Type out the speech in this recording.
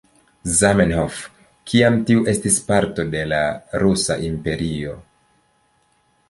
Zamenhof, kiam tiu estis parto de la Rusa Imperio.